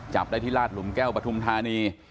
จับได้ที่ลาดหลุมแก้วปฐุมธานี